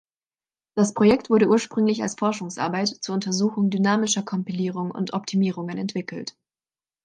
Das Projekt wurde ursprünglich als Forschungsarbeit zur Untersuchung dynamischer Kompilierung und Optimierungen entwickelt.